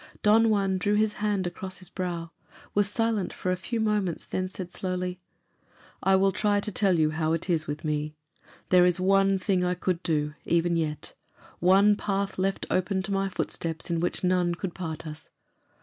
Don Juan drew his hand across his brow, was silent for a few moments, then said slowly, "I will try to tell you how it is with me. There is one thing I could do, even yet; one path left open to my footsteps in which none could part us.